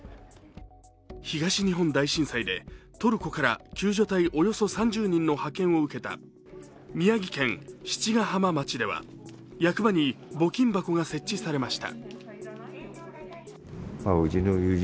東日本大震災でトルコから救助隊およそ３０人の派遣を受けた宮城県七ヶ浜町では役場に募金箱が設置されました。